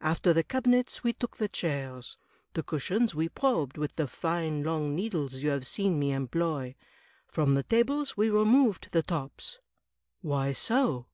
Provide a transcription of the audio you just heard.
After the cabinets we took the chairs. The cushions we probed with the fine long needles you have seen me employ. From the tables we removed the tops." "Why so?"